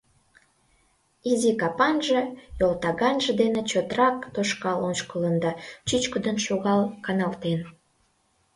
Изи капанже йолтаганже дене чотрак тошкал ошкылын да чӱчкыдын шогал каналтен.